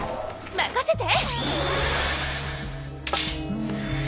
任せて。